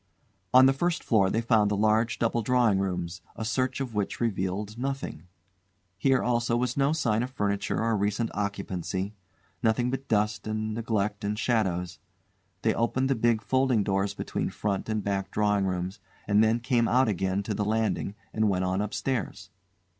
On the first floor they found the large double drawing rooms, a search of which revealed nothing. Here also was no sign of furniture or recent occupancy; nothing but dust and neglect and shadows. They opened the big folding doors between front and back drawing rooms and then came out again to the landing and went on upstairs.